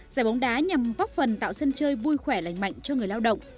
giải bóng đá nhằm góp phần tạo sân chơi vui khỏe lành mạnh cho người lao động